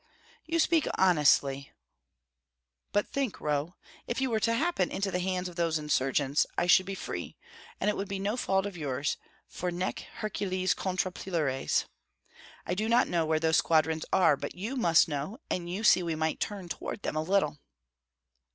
"You speak honestly; but think, Roh, if you were to happen into the hands of those insurgents, I should be free, and it would be no fault of yours, for nec Hercules contra plures! I do not know where those squadrons are, but you must know, and you see we might turn toward them a little."